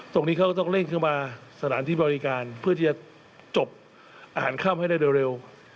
ตรงนี้เขาก็ต้องเร่งเข้ามาสถานที่บริการเพื่อที่จะจบอาหารค่ำให้ได้เร็ว